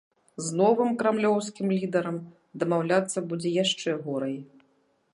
З новым крамлёўскім лідэрам дамаўляцца будзе яшчэ горай.